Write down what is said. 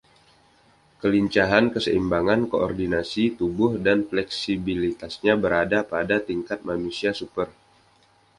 Kelincahan, keseimbangan, koordinasi tubuh dan fleksibilitasnya berada pada tingkat manusia super.